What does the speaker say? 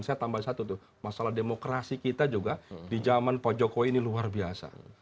saya tambah satu tuh masalah demokrasi kita juga di zaman pak jokowi ini luar biasa